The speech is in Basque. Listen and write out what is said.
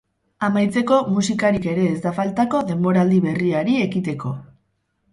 Amaitzeko, musikarik ere ez da faltako denboraldi berriari ekiteko.